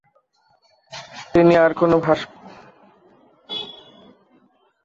তিনি আর কোন ভাস্কর্য নির্মাণ করেননি।